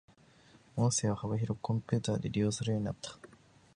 音声が幅広くコンピュータで利用されるようになった。